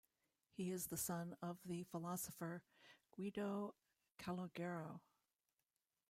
He is the son of the philosopher Guido Calogero.